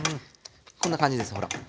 こんな感じですほら。